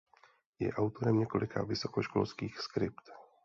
Je autorem několika vysokoškolských skript.